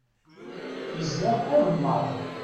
Izdeɣ agemmaḍ.